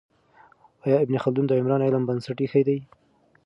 آیا ابن خلدون د عمران علم بنسټ ایښی دی؟